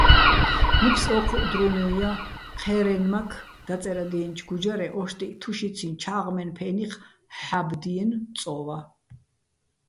ნიფს ო́ჴუჸ დროჲლუჼ და ჴე́რენმაქ დაწე́რადიენჩო̆ გუჯარე ო́შტიჸ "თუში-ციჼ" "ჩა́ღმენო̆" ფე́ნიხ ჰ̦ა́ბდიენო̆ "წოვა".